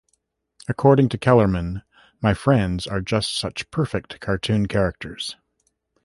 According to Kellerman, My friends are just such perfect cartoon characters.